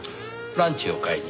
ランチを買いに。